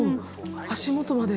足元まで。